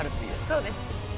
そうです。